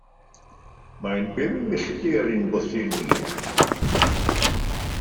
Mae'n bum milltir i'n bwthyn ni.